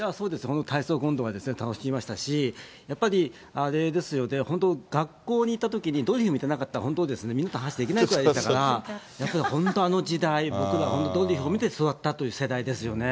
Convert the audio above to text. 本当に体操コントは楽しみましたし、やっぱりあれですよね、本当、学校にいたときにドリフ見てなかったら、本当みんなと話できないぐらいですから、やっぱり本当、あの時代、僕らドリフを見て育ったという世代ですよね。